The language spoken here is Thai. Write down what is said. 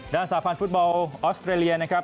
สาพันธ์ฟุตบอลออสเตรเลียนะครับ